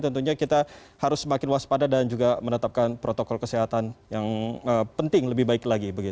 tentunya kita harus semakin waspada dan juga menetapkan protokol kesehatan yang penting lebih baik lagi